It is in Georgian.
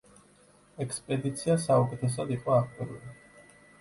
ექსპედიცია საუკეთესოდ იყო აღჭურვილი.